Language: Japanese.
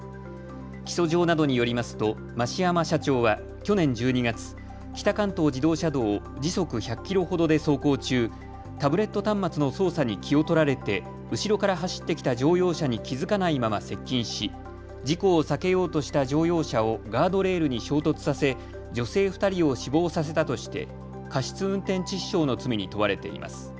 起訴状などによりますと、増山社長は去年１２月、北関東自動車道を時速１００キロほどで走行中、タブレット端末の操作に気を取られて後ろから走ってきた乗用車に気付かないまま接近し事故を避けようとした乗用車をガードレールに衝突させ女性２人を死亡させたとして過失運転致死傷の罪に問われています。